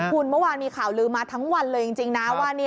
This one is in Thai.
คุณเมื่อวานมีข่าวลืมมาทั้งวันเลยจริงนะว่า